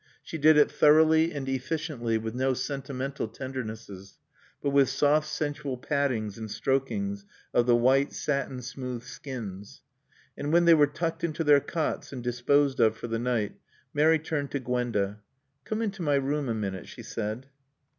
She did it thoroughly and efficiently, with no sentimental tendernesses, but with soft, sensual pattings and strokings of the white, satin smooth skins. And when they were tucked into their cots and disposed of for the night Mary turned to Gwenda. "Come into my room a minute," she said.